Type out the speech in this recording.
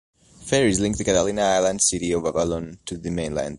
Ferries link the Catalina Island city of Avalon to the mainland.